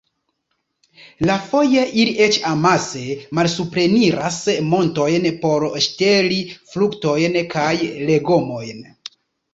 Iafoje ili eĉ amase malsupreniras montojn por ŝteli fruktojn kaj legomojn.